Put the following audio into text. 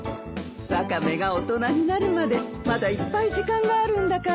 ワカメが大人になるまでまだいっぱい時間があるんだから。